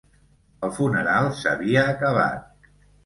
El funeral s'havia acabat.